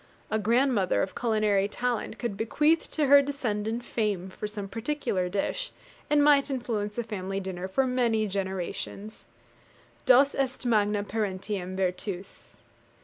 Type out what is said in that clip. A grandmother of culinary talent could bequeath to her descendant fame for some particular dish, and might influence the family dinner for many generations. Dos est magna parentium Virtus.